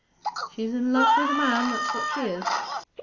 She's in love wi' the man, that's what she is.